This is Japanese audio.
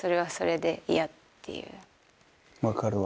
分かるわ。